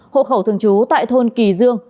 hộ khẩu thường trú tại thôn kỳ dương